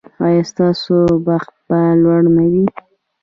ایا ستاسو بخت به لوړ نه وي؟